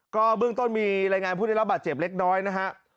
ก็เบื้องต้นมีรายงานผู้ได้รับบาดเจ็บเล็กน้อยนะฮะ